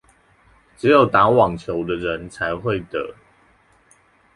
只有打網球的人才會得